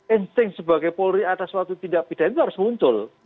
insting sebagai polri atas suatu tindak pidana itu harus muncul